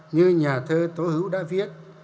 như nhà thơ tố hữu đã viết